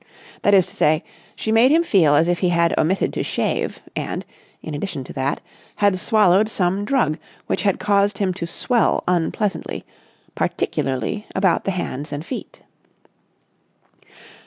That is to say, she made him feel as if he had omitted to shave and, in addition to that, had swallowed some drug which had caused him to swell unpleasantly, particularly about the hands and feet.